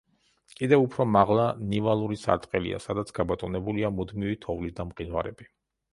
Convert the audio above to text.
კიდევ უფრო მაღლა ნივალური სარტყელია, სადაც გაბატონებულია მუდმივი თოვლი და მყინვარები.